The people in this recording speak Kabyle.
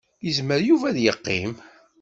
Yezmer Yuba ad yeqqim.